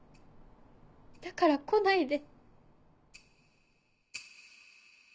・だから来ないで。